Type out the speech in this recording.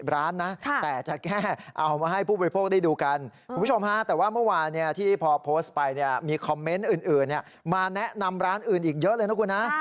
ร้านอื่นอีกเยอะเลยนะคุณฮะ